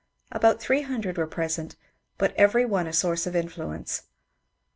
About three hundred were present, but every one a source of influence.